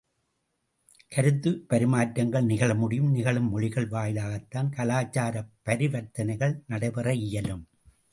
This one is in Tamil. கருத்துப்பரிமாற்றங்கள் நிகழமுடியும் நிகழும் மொழிகள் வாயிலாகத்தான் கலாச்சாரப் பரிவர்த்தனைகள் நடைபெற இயலும்.